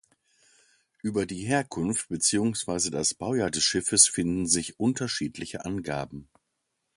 Über die Herkunft beziehungsweise das Baujahr des Schiffes finden sich unterschiedliche Angaben.